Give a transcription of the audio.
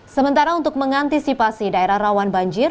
sementara untuk mengantisipasi daerah rawan banjir